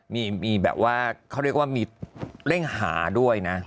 เขาเรียกว่ามีเร่งหาด้วยนะ